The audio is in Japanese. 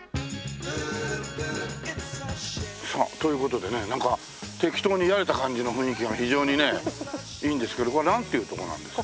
さあという事でねなんか適当にやれた感じの雰囲気が非常にねいいんですけどここはなんていう所なんですか？